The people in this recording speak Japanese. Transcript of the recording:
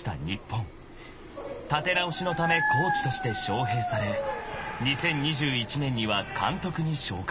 ［立て直しのためコーチとして招聘され２０２１年には監督に昇格］